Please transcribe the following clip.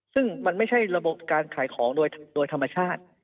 ซึ่งมันไม่ใช่ระบบการขายของโดยธรรมชาติ